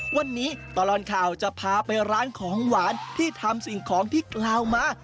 วันนี้ตลอดข่าวจะพาไปร้านของหวานที่ทำสิ่งของที่กล่าวมา